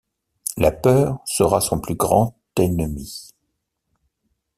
La peur sera son plus grand ennemi.